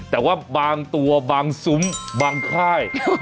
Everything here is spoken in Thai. แต่ว่าบางตัวบางซุ้มบางค่าย